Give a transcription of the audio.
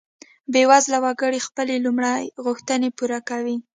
بیوزله وګړي خپلې لومړۍ غوښتنې پوره کوي.